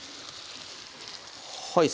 はい。